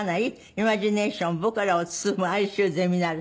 「イマジネーション僕らを包む哀愁ゼミナール」